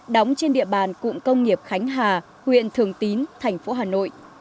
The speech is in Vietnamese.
đóng trên địa bàn cụng công nghiệp khánh hà huyện thường tín thành phố hà nội